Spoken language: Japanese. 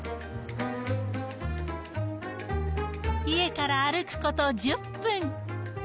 家から歩くこと１０分。